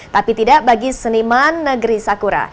tapi tidak bagi seniman negeri sakura